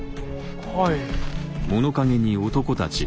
はい。